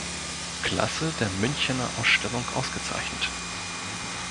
Klasse der Münchener Ausstellung ausgezeichnet.